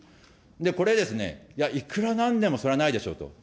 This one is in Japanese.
これですね、いや、いくらなんでもそれないでしょと。